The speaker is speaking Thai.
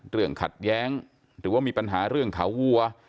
ขัดแย้งหรือว่ามีปัญหาเรื่องขาวัว